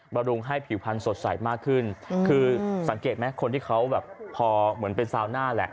รุงให้ผิวพันธสดใสมากขึ้นคือสังเกตไหมคนที่เขาแบบพอเหมือนเป็นซาวน่าแหละ